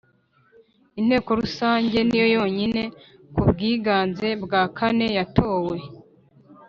Inteko Rusange niyo yonyine ku bwiganze bwa kane yatowe